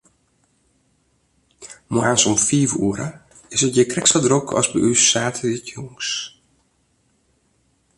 Moarns om fiif oere is it hjir krekt sa drok as by ús saterdeitejûns.